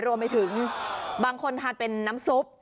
รวมให้ถึงบางคนให้นะน้ำซุป